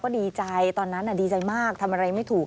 ดีใจตอนนั้นดีใจมากทำอะไรไม่ถูก